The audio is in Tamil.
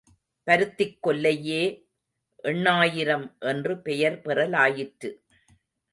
பருத்திக் கொல்லையே எண்ணாயிரம் என்று பெயர் பெறலாயிற்று.